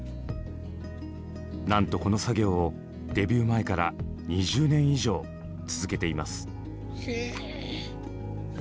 なんとこの作業をデビュー前から２０年以上続けています。